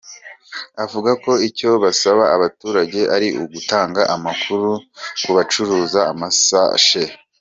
Avuga ko icyo basaba abaturage ari ugutanga amakuru ku bacuruza amasashe.